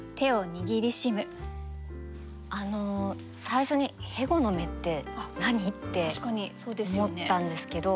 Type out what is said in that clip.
最初に「ヘゴの芽」って何？って思ったんですけど。